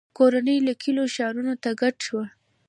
• کورنۍ له کلیو ښارونو ته کډه شوه.